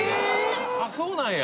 あっそうなんや！